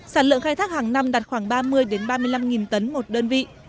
sản lượng khai thác hàng năm đạt khoảng ba mươi ba mươi năm tấn một đơn vị